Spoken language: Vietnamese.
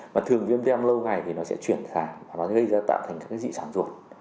mà thường viêm theo lâu ngày thì nó sẽ chuyển sản và nó sẽ tạo thành các dị sản ruột